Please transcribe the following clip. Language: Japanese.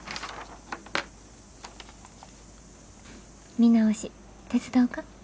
見直し手伝おか？